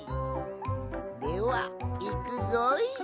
ではいくぞい。